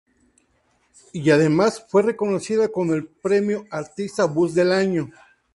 Y además, fue reconocida con el premio "Artista buzz del año".